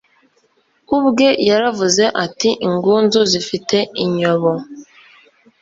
ubwe yaravuze ati ingunzu zifite inyobo